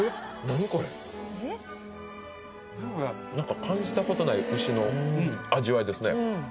何か感じたことない牛の味わいですね